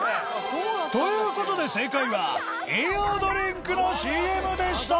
という事で正解は栄養ドリンクの ＣＭ でした